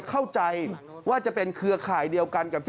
เข้าใจว่าจะเป็นเครือข่ายเดียวกันกับที่